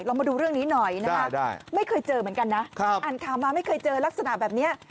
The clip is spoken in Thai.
มาดูเรื่องนี้หน่อยนะคะไม่เคยเจอเหมือนกันนะอ่านข่าวมาไม่เคยเจอลักษณะแบบนี้